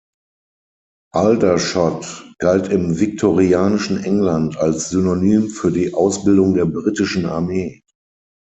Aldershot galt im viktorianischen England als Synonym für die Ausbildung der britischen Armee.